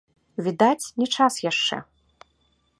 Відаць, не час яшчэ.